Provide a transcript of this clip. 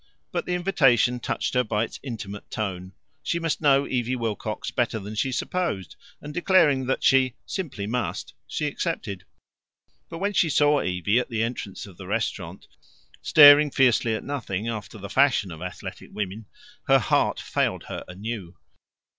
But the invitation touched her by its intimate tone. She must know Evie Wilcox better than she supposed, and declaring that she "simply must," she accepted. But when she saw Evie at the entrance of the restaurant, staring fiercely at nothing after the fashion of athletic women, her heart failed her anew.